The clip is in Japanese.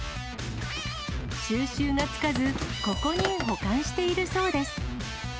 収拾がつかず、ここに保管しているそうです。